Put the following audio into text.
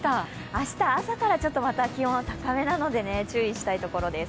明日朝からまた気温は高めなので、注意したいところです。